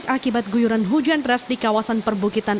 akibat guyuran hujan deras di kawasan perbukitan